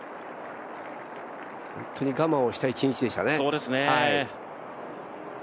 本当に我慢をした一日でしたね。